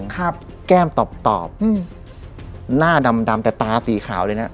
แก้มตอบหน้าดำแต่ตาสีขาวเลยนะ